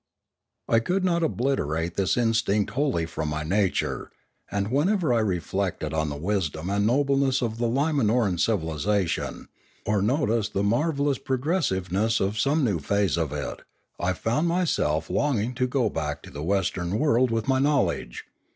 I could not obliterate this instinct wholly from my nature, and whenever I reflected on the wisdom and nobleness of the Li manor an civilisation, or noticed the marvellous progressiveness of some new phase of it, I 504 Limanora found myself longing to go back to the Western world with my knowledge.